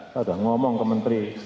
saya udah ngomong ke menteri